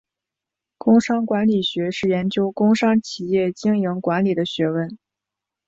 工商管理学是研究工商企业经营管理的学问。